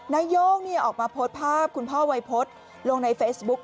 นโย่งออกมาโพสภาพคุณพ่อไวพวร์ตลงในเฟสบุ๊ค